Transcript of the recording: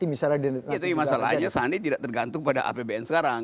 itu masalahnya sandi tidak tergantung pada apbn sekarang